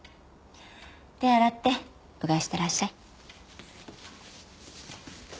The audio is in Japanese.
手洗ってうがいしてらっしゃい。